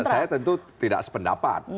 saya tentu tidak sependapat